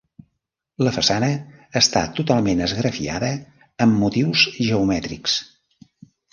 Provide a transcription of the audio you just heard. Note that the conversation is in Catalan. La façana està totalment esgrafiada amb motius geomètrics.